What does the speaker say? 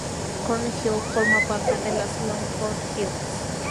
Corn Hill forma parte de las "Longford Hills".